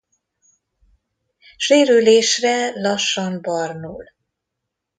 Sérülésre lassan barnul.